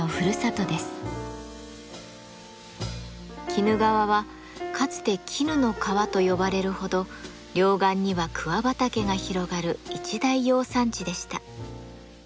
鬼怒川はかつて絹の川と呼ばれるほど両岸には桑畑が広がる一大養蚕地でした。